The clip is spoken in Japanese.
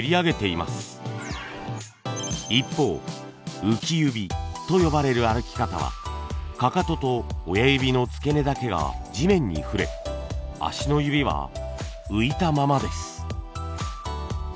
一方浮き指と呼ばれる歩き方はかかとと親指の付け根だけが地面に触れ足の指は浮いたままです。